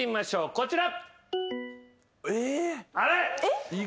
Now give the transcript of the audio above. こちら。